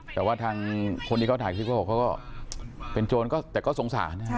แต่ว่าทางคนที่เขาถ่ายคลิปเขาบอกเขาก็เป็นโจรก็แต่ก็สงสาร